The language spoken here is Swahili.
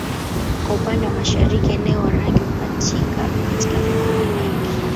Kwa upande wa mashariki eneo Warangi hupatika katika vijiji vingi